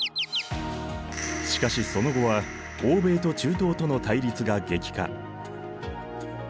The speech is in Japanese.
しかしその後は欧米と中東との対立が激化。